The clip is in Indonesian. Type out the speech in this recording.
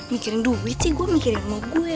mikirin duit sih gue mikirin mau gue